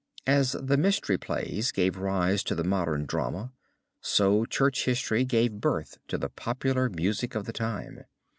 As the Mystery Plays gave rise to the modern drama, so church music gave birth to the popular music of the time.